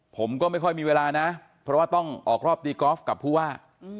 ผมก็ไม่ค่อยมีเวลานะเพราะว่าต้องออกรอบตีกอล์ฟกับผู้ว่า